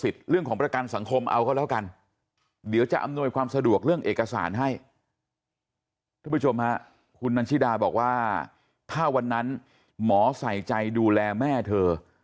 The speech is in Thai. ถ้าวันนั้นหมอใส่ใจดูแลแม่เธอ